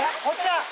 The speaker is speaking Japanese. こちら。